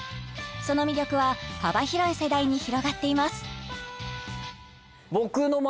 その魅力は幅広い世代に広がっています